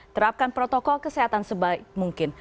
terapkan protokol kesehatan sebaik mungkin